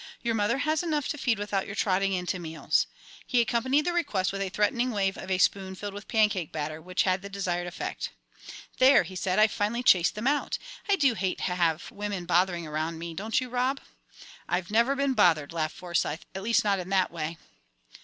Your mother has enough to feed without your trotting in to meals." He accompanied the request with a threatening wave of a spoon filled with pancake batter, which had the desired effect. "There," he said, "I've finally chased 'em out. I do hate to have women bothering around me, don't you, Rob?" "I've never been bothered," laughed Forsyth; "at least, not in that way."